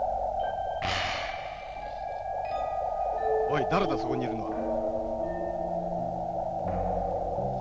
おい誰だそこにいるのは。